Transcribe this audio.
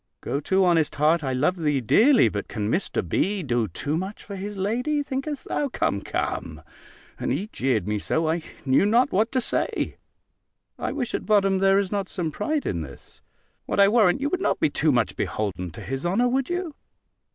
Go to, honest heart, I love thee dearly; but can Mr. B. do too much for his lady, think'st thou? Come, come" (and he jeered me so, I knew not what to say), "I wish at bottom there is not some pride in this. What, I warrant, you would not be too much beholden to his honour, would you?"